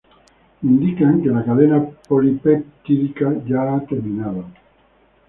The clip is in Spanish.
Indican que la cadena polipeptídica ya ha terminado.